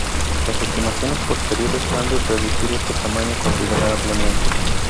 Las estimaciones posteriores han reducido este tamaño considerablemente.